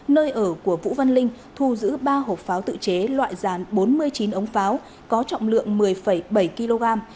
nơi ở của vũ văn linh thu giữ ba hộp pháo tự chế loại dàn bốn mươi chín ống pháo có trọng lượng một mươi bảy kg